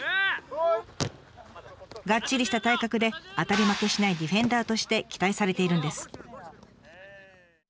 がっちりした体格で当たり負けしないディフェンダーとして期待されているんです。